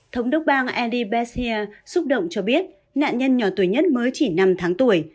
thống đốc bang andy beshear xúc động cho biết nạn nhân nhỏ tuổi nhất mới chỉ năm tháng tuổi